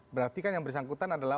berarti kan yang bersangkutan adalah